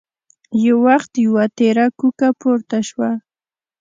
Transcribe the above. يو وخت يوه تېره کوکه پورته شوه.